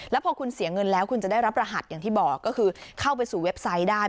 แล้วพอคุณเสียเงินแล้วคุณจะได้รับรหัสอย่างที่บอกก็คือเข้าไปสู่เว็บไซต์ได้